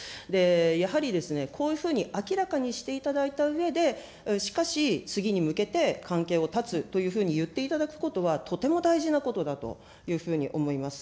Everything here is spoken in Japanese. やはりですね、こういうふうに明らかにしていただいたうえで、しかし、次に向けて関係を断つというふうに言っていただくことは、とても大事なことだというふうに思います。